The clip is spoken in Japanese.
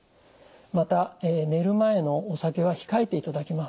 また寝る前のお酒は控えていただきます。